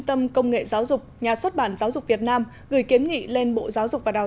tâm công nghệ giáo dục nhà xuất bản giáo dục việt nam gửi kiến nghị lên bộ giáo dục và đào